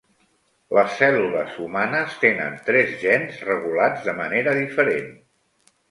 Les cèl·lules humanes tenen tres gens regulats de manera diferent.